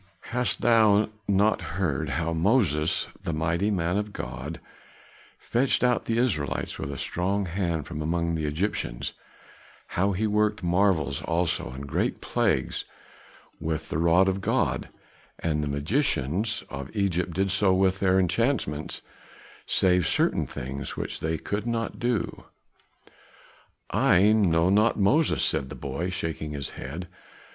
"Hast thou not heard how Moses, the mighty man of God, fetched out the Israelites with a strong hand from among the Egyptians; how he worked marvels also and great plagues with the rod of God, and the magicians of Egypt did so with their enchantments, save certain things which they could not do?" "I know not Moses," said the boy, shaking his head.